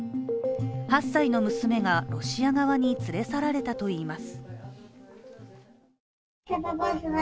８歳の娘がロシア側に連れ去られたといいます。